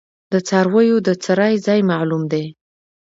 د څارویو د څرائ ځای معلوم دی؟